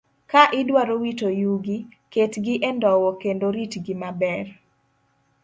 Ka idwaro wito yugi, ketgi e ndowo kendo ritgi maber.